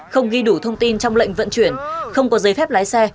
không ghi đủ thông tin trong lệnh vận chuyển không có giấy phép lái xe